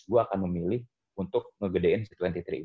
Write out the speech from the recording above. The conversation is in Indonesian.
gue akan memilih untuk ngegedein dua puluh tiga ini